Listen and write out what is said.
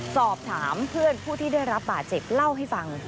สอบถามเพื่อนผู้ที่ได้รับบาดเจ็บเล่าให้ฟัง